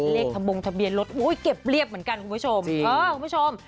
ทะบงทะเบียนรถเก็บเรียบเหมือนกันคุณผู้ชม